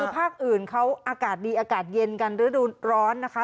ภาคอื่นเขาอากาศดีอากาศเย็นกันฤดูร้อนนะคะ